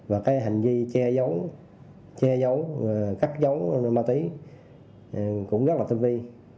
và hành vi che giấu cắt giấu ma túy cũng rất là tinh vi